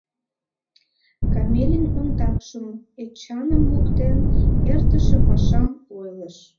Комелин ондакшым, Эчаным моктен, эртыше пашам ойлыш.